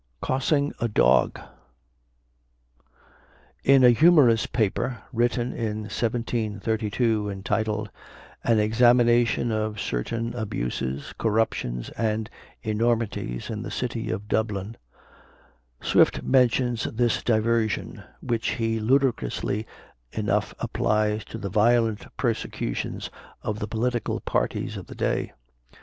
COSSING A DOG. In a humorous paper written in 1732, entitled, "An Examination of certain Abuses, Corruptions, and Enormities in the city of Dublin," Swift mentions this diversion, which he ludicrously enough applies to the violent persecutions of the political parties of the day.